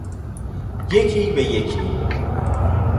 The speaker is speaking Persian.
یکی به یکی